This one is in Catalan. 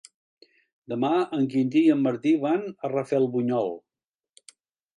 Demà en Quintí i en Martí van a Rafelbunyol.